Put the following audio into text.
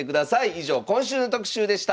以上今週の特集でした。